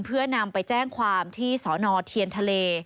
เพื่อนำไปแจ้งความที่สนเทียนทะเล